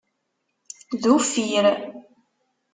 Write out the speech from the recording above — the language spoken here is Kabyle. D uffir.